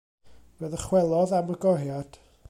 Fe ddychwelodd am y goriad.